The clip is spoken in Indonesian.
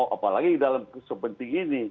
apalagi dalam sepenting ini